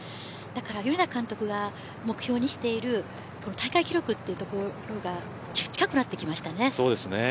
米田監督が目標にしている大会記録というところが近くなってきました。